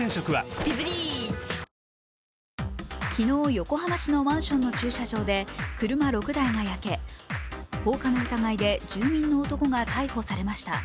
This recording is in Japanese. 実は、このマンションでは車６台が焼け放火の疑いで住民の男が逮捕されました。